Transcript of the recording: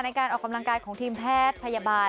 ในการออกกำลังกายของทีมแพทย์พยาบาล